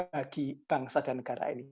bagi bangsa dan negara ini